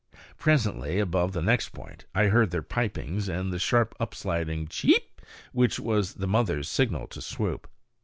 Presently, above the next point, I heard their pipings and the sharp, up sliding Cheeeep! which was the mother's signal to swoop.